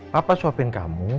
papa suapin kamu